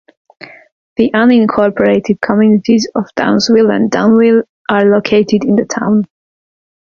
The unincorporated communities of Downsville and Dunnville are located in the town.